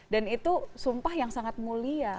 itu sumpah yang sangat mulia